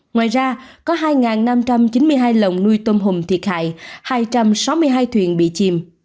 ngoài ra có hai năm trăm chín mươi hai lồng nuôi tôm hùm thiệt hại hai trăm sáu mươi hai thuyền bị chìm